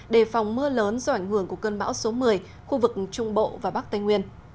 đề phòng mưa lớn do ảnh hưởng của cơn bão số một mươi khu vực trung bộ và bắc tây nguyên